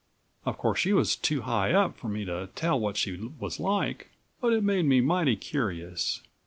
Of course she was too high up for me to tell what she was like, but it made me mighty curious.